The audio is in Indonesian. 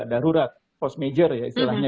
darurat post major ya istilahnya